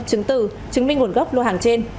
chứng tử chứng minh nguồn gốc lô hàng trên